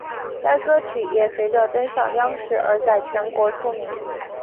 该歌曲也随着登上央视而在全国出名。